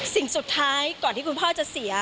สิ่งสุดท้ายก่อนที่คุณพ่อจะเสีย